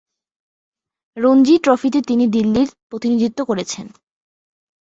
রঞ্জি ট্রফিতে তিনি দিল্লির প্রতিনিধিত্ব করেছেন।